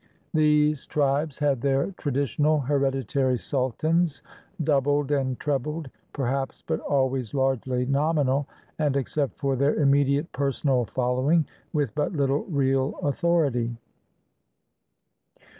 These tribes had their traditional, hereditary sultans, doubled and trebled, perhaps, but always largely nominal, and, except for their immediate personal following, with but Httle real authority.